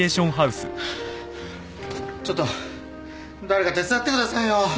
ちょっと誰か手伝ってくださいよ。